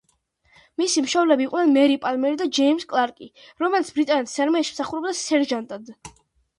მისი მშობლები იყვნენ მერი პალმერი და ჯეიმს კლარკი, რომელიც ბრიტანეთის არმიაში მსახურობდა სერჟანტად.